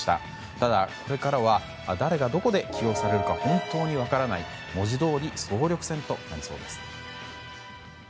ただ、これからは誰がどこで起用されるか本当に分からない、文字どおり総力戦となりそうです。